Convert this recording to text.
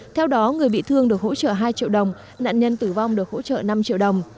theo đó người bị thương được hỗ trợ hai triệu đồng nạn nhân tử vong được hỗ trợ năm triệu đồng